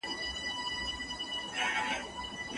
پوهنتون باید د لارښودانو لپاره ځانګړي اصول وټاکي.